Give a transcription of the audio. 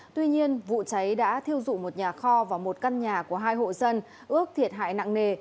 tuy nhiên vụ cháy đã thiêu dụi một nhà kho và một căn nhà của hai hộ dân ước thiệt hại nặng nề